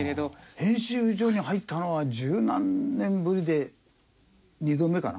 編集所に入ったのは十何年ぶりで２度目かな。